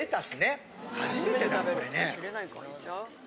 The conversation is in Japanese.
初めてだこれね。